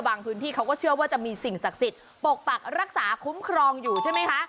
พื้นที่เขาก็เชื่อว่าจะมีสิ่งศักดิ์สิทธิ์ปกปักรักษาคุ้มครองอยู่ใช่ไหมคะ